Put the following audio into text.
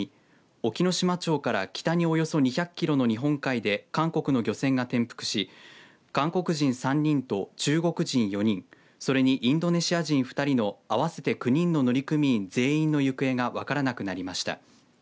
隠岐の島町から北におよそ２００キロの日本海で韓国の漁船が転覆し韓国人３人と中国人４人それにインドネシア人２人の合わせて９人の乗組員全員の行方が分からなくなりました。